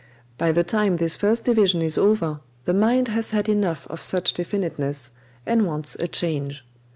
By the time this first division is over the mind has had enough of such definiteness, and wants a change.